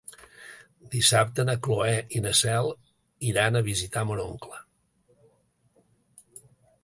Dissabte na Cloè i na Cel iran a visitar mon oncle.